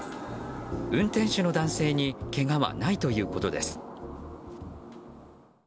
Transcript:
運転手の男性にけがはないということです。